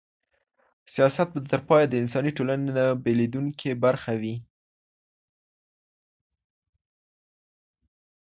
سياست به تر پايه د انساني ټولني نه بېلېدونکې برخه وي.